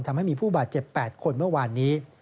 ทำให้มีผู้บาดเจ็บ๘คนเมื่อวานนี้